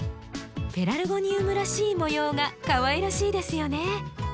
ペラルゴニウムらしい模様がかわいらしいですよね。